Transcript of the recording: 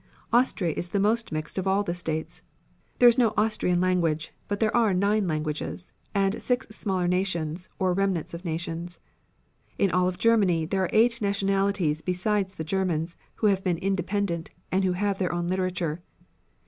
Austria is the most mixed of all the states. There is no Austrian language, but there are nine languages, and six smaller nations or remnants of nations. In all of Germany there are eight nationalities besides the Germans, who have been independent, and who have their own literature.